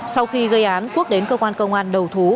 sau khi gây án quốc đến cơ quan công an đầu thú